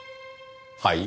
はい？